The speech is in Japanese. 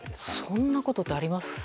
そんなことってあります？